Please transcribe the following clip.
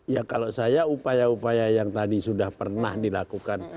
ya kalau saya upaya upaya yang tadi sudah pernah dilakukan